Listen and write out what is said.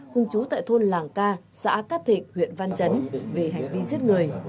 cùng chú tại thôn làng ca xã cát thịnh huyện văn chấn về hành vi giết người